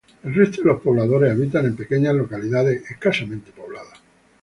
El resto de los pobladores habitan en pequeñas localidades escasamente pobladas.